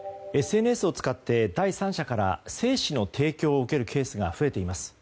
ＳＮＳを使って第三者から精子の提供を受けるケースが増えています。